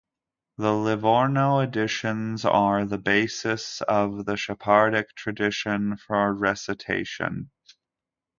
The Livorno editions are the basis of the Sephardic tradition for recitation.